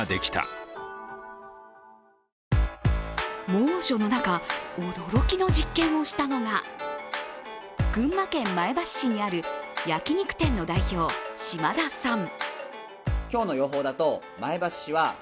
猛暑の中、驚きの実験をしたのが群馬県前橋市にある焼き肉店の代表、しまださん。